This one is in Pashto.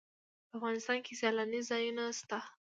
په افغانستان کې سیلانی ځایونه شتون لري.